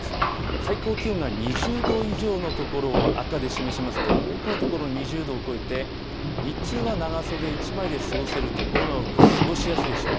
最高気温が２０度以上の所を赤で示しますと、多くの所、２０度を超えて、日中は長袖１枚で過ごせる所が多く、過ごしやすいでしょう。